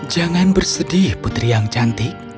jangan bersedih putri yang cantik